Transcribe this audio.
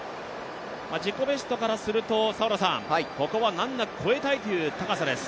自己ベストからすると、ここは難なく越えたいという高さです。